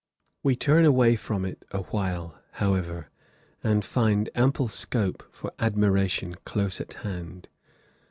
We turn away from it awhile, however, and find ample scope for admiration close at hand.